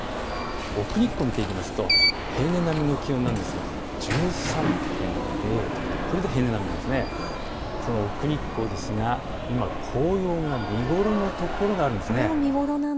奥日光を見ていきますと平年並みの気温なんですが１３．０度、その奥日光ですが紅葉が見頃の所があるんです。